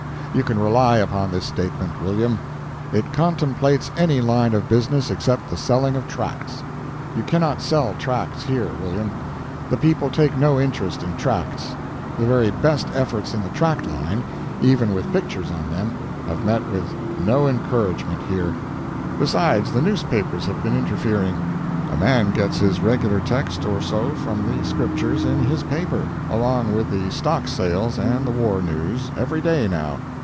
You can rely upon this statement, William. It contemplates any line of business except the selling of tracts. You cannot sell tracts here, William; the people take no interest in tracts; the very best efforts in the tract line—even with pictures on them—have met with no encouragement here. Besides, the newspapers have been interfering; a man gets his regular text or so from the Scriptures in his paper, along with the stock sales and the war news, every day, now.